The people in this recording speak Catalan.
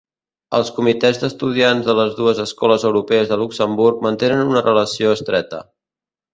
Els comitès d'estudiants de les dues Escoles Europees de Luxemburg mantenen una relació estreta.